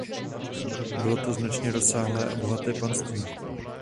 Bylo to značně rozsáhlé a bohaté panství.